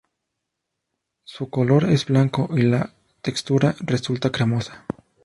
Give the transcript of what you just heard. Su color es blanco y la textura resulta cremosa.